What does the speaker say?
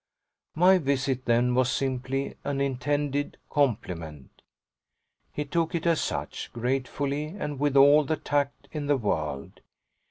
My visit then was simply an intended compliment. He took it as such, gratefully and with all the tact in the world.